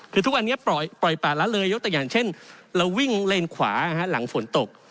คือทุกวันนี้ปล่อยป่าละเลยยกตัวอย่างเช่นเราวิ่งเลนขวาหลังฝนตก